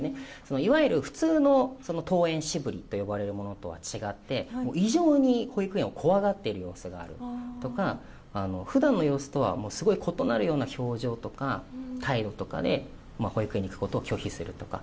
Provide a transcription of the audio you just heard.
いわゆる普通の登園渋りとは違って異常に保育園を怖がっている様子があるとか普段の様子とは異なる表情とか態度とかで保育園に行くことを拒否するとか。